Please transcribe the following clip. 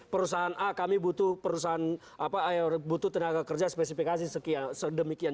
perusahaan a kami butuh tenaga kerja spesifikasi sedemikian